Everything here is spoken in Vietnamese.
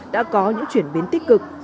đã có những chuyển biến tích cực